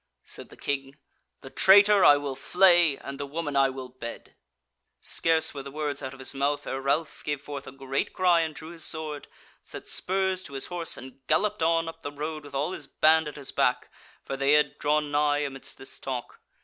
Said the King: "The traitor I will flay, and the woman I will bed." Scarce were the words out of his mouth ere Ralph gave forth a great cry and drew his sword, set spurs to his horse, and gallopped on up the road with all his band at his back for they had drawn anigh amidst this talk.